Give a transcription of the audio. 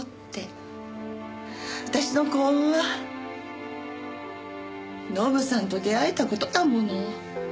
私の幸運はノブさんと出会えた事だもの。